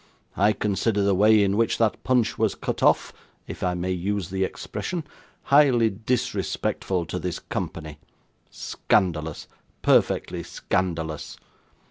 I consider the way in which that punch was cut off, if I may use the expression, highly disrespectful to this company; scandalous, perfectly scandalous.